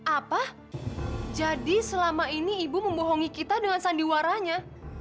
apa jadi selama ini ibu membohongi kita dengan sandiwaranya